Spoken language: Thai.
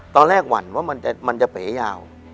ตอนแรกหวั่นว่ามันจะเป๋ยา